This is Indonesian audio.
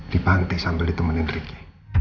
dipanti sambil ditemenin ricky